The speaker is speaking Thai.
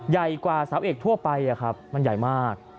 ใหญ่กว่าสาวเอกทั่วไปมันใหญ่มาก